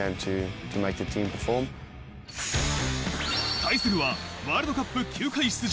対するは、ワールドカップ９回出場。